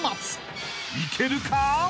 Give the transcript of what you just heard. ［いけるか？］